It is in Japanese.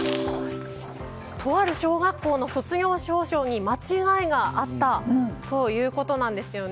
とある小学校の卒業証書に間違いがあったということなんです。